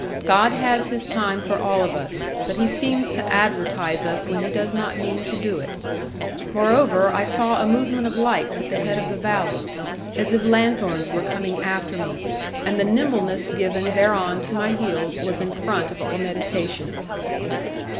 God has His time for all of us; but He seems to advertise us when He does not mean to do it. Moreover, I saw a movement of lights at the head of the valley, as if lanthorns were coming after me, and the nimbleness given thereon to my heels was in front of all meditation.